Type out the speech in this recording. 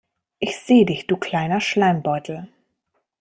Ich seh dich du kleiner Schleimbeutel.